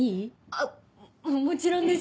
あっもちろんです。